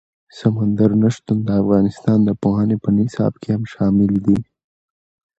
سمندر نه شتون د افغانستان د پوهنې په نصاب کې هم شامل دي.